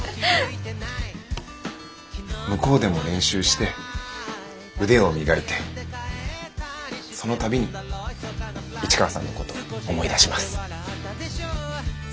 向こうでも練習して腕を磨いてその度に市川さんのことを思い出します。